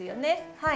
はい。